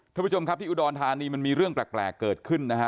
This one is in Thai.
ท่านผู้ชมครับที่อุดรธานีมันมีเรื่องแปลกเกิดขึ้นนะฮะ